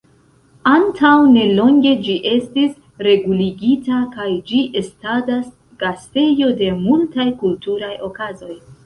Antaŭ nelonge ĝi estis reguligita kaj ĝi estadas gastejo de multaj kulturaj okazoj.